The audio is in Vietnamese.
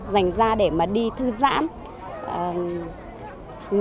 dành ra để mà đi thư giãn